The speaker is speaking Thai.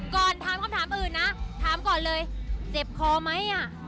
ถามคำถามอื่นนะถามก่อนเลยเจ็บคอไหมอ่ะ